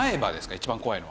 一番怖いのは。